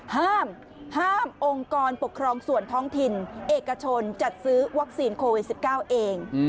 ห้ามห้ามองค์กรปกครองส่วนท้องถิ่นเอกชนจัดซื้อวัคซีนโควิด๑๙เอง